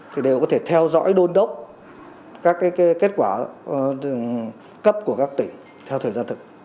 thì đều có thể theo dõi đôn đốc các kết quả cấp của các tỉnh theo thời gian thực